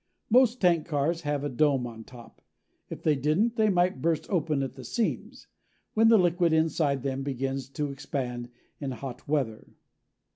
Most tank cars have a dome on top. If they didn't, they might burst open at the seams when the liquid inside them begins to expand in hot weather.